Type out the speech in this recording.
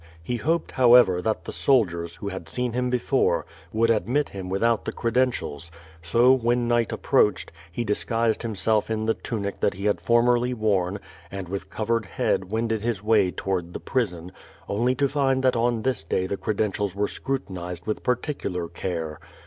He hoped, however, that the soldiers, who had seen him before, would admit him without the credentials; so, when night approached, he disguised himself in the tunic that he had formerly worn. 452 QUO VADI8. and with covered head wended his way toward the prison, only to find that on this day the credentials were scrutinized with particular care.